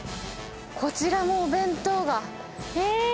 こちらもお弁当が、えー？